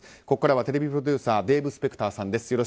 ここからはテレビプロデューサーデーブ・スペクターさんです。